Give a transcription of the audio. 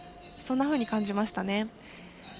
そんなふうに感じましたね。